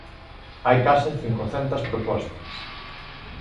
Hai case cincocentas propostas.